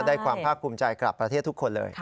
ได้ความภาคภูมิใจกลับประเทศทุกคนเลย